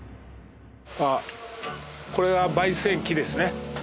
あっこれは焙煎機ですね